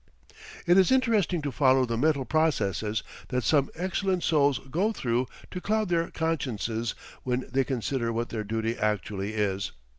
It is interesting to follow the mental processes that some excellent souls go through to cloud their consciences when they consider what their duty actually is.